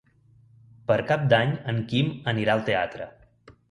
Per Cap d'Any en Quim anirà al teatre.